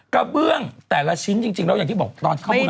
กระเบื้องแต่ละชิ้นจริงแล้วอย่างที่บอกตอนข้อมูล